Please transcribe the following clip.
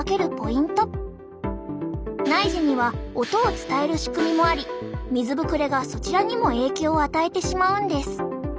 内耳には音を伝える仕組みもあり水ぶくれがそちらにも影響を与えてしまうんです。